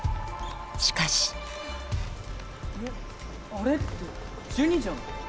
しかしあれってジュニじゃない？